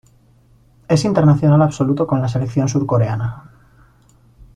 Es internacional absoluto con la selección surcoreana.